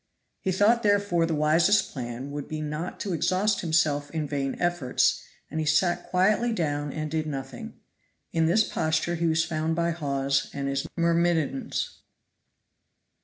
He thought therefore the wisest plan would be not to exhaust himself in vain efforts, and he sat quietly down and did nothing. In this posture he was found by Hawes and his myrmidons.